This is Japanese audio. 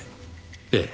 ええ。